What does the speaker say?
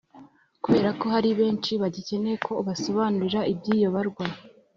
Kubera ko hari benshi bagikeneye ko ubasobanurira iby'iyo barwa,